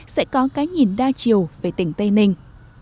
sẽ có cái nhìn đa chiều về tỉnh tây ninh